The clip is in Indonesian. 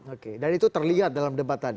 oke dan itu terlihat dalam debat tadi